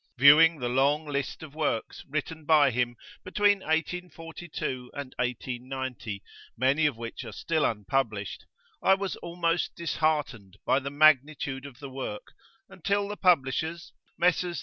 Viewing the long list of Works written by him between 1842 and 1890, many of which are still unpublished, I was almost disheartened by the magnitude of the work, until the Publishers, Messrs.